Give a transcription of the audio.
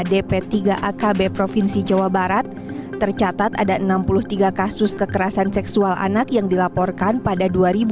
dp tiga akb provinsi jawa barat tercatat ada enam puluh tiga kasus kekerasan seksual anak yang dilaporkan pada dua ribu dua puluh